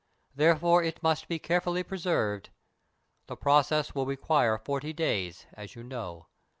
Therefore it must be carefully preserved. The process will require forty days, as you know.